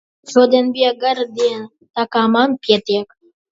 Šodien bija gara diena, tā ka man pietiek!